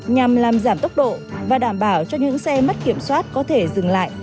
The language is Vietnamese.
nhằm làm giảm tốc độ và đảm bảo cho những xe mất kiểm soát có thể dừng lại